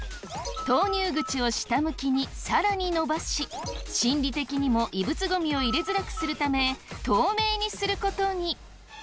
投入口を下向きに更に伸ばし心理的にも異物ゴミを入れづらくするため透明にすることに！